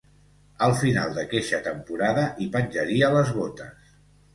Al final d'aqueixa temporada, hi penjaria les botes.